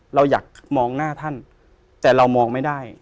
เราอยากมองหน้าท่านแต่เรามองไม่ได้